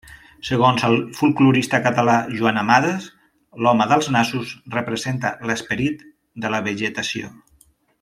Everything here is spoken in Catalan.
Segons el folklorista català Joan Amades, l'Home dels nassos representa l'esperit de la vegetació.